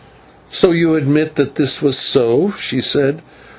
"So you admit that this was so," she said.